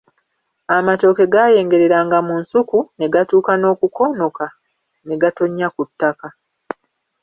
Amatooke gayengereranga mu nsuku, ne gatuuka n'okukoonoka ne gatonnya ku ttaka.